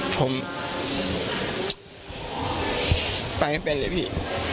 ผมไปไม่เป็นเลยพี่